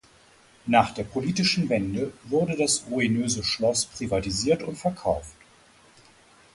Nach der politischen Wende wurde das ruinöse Schloss privatisiert und verkauft.